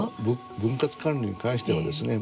分割管理に関してはですね